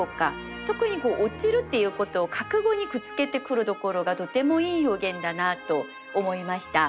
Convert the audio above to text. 特に落ちるっていうことを覚悟にくっつけてくるところがとてもいい表現だなと思いました。